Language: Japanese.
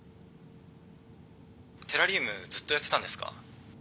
テラリウムずっとやってたんですか？